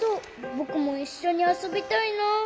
ぼくもいっしょにあそびたいなあ。